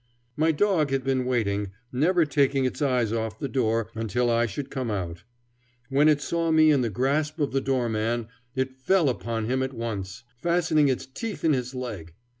My dog had been waiting, never taking its eyes off the door, until I should come out. When it saw me in the grasp of the doorman, it fell upon him at once, fastening its teeth in his leg.